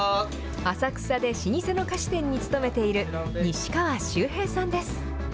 浅草で老舗の菓子店に勤めている西川修平さんです。